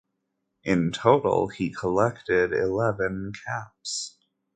In total he collected eleven caps.